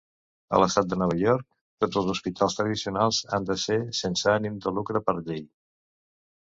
A l'estat de Nova York, tots els hospitals tradicionals han de ser sense ànim de lucre per llei.